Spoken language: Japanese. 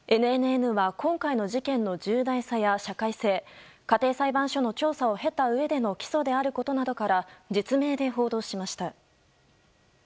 ＮＮＮは今回の事件の重大さや社会性家庭裁判所の調査を経たうえでの起訴であることなどから実名で報道しました。